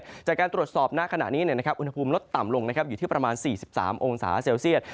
จากการตรวจสอบณขณะนี้อุณหภูมิลดต่ำลงอยู่ที่ประมาณ๔๓องศาเซลเซียต